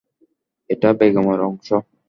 এইটা বেগমের অংশ।